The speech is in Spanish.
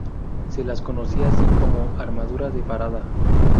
Se las conocía así, como "armadura de parada".